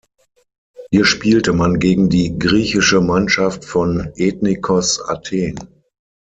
Hier spielte man gegen die griechische Mannschaft von Ethnikos Athen.